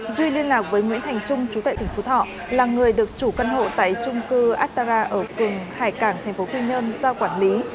duy liên lạc với nguyễn thành trung chủ tệ tỉnh phú thọ là người được chủ căn hộ tại trung cư atara ở phường hải cảng tp quy nhơn do quản lý